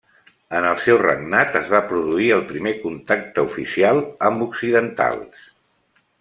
En el seu regnat es va produir el primer contacte oficial amb occidentals.